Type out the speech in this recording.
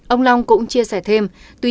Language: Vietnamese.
ông long cũng chia sẻ thêm